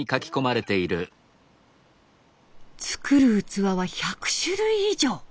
作る器は１００種類以上。